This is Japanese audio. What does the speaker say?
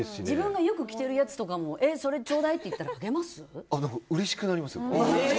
自分がよく着てるやつとかもちょうだいって言ったらうれしくなります。